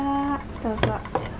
どうぞ。